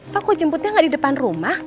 pak kok jemputnya gak di depan rumah